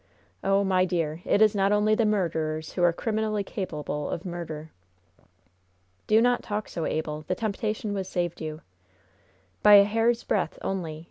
Oh, my dear, it is not only the murderers who are criminally capable of murder!" "Do not talk so, Abel. The temptation was saved you." "By a hair's breadth only.